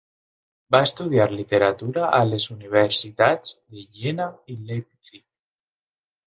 Va estudiar literatura a les universitats de Jena i Leipzig.